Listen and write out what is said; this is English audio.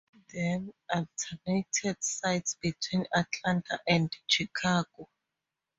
Then alternated sites between Atlanta and Chicago.